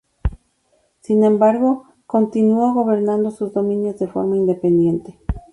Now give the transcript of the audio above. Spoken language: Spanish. Sin embargo, continuó gobernando sus dominios de forma independiente.